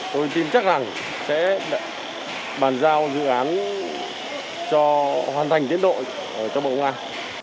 tôi tin chắc rằng sẽ bàn giao dự án cho hoàn thành tiến độ cho bộ ngoại